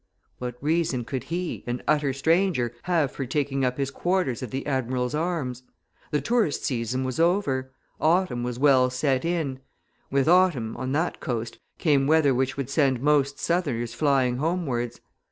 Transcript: What reason could he, an utter stranger, have for taking up his quarters at the "Admiral's Arms?" The tourist season was over: Autumn was well set in; with Autumn, on that coast, came weather which would send most southerners flying homewards.